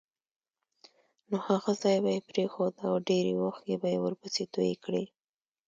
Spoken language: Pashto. نو هغه ځای به یې پرېښود او ډېرې اوښکې به یې ورپسې تویې کړې.